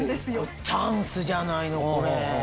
チャンスじゃないのこれ。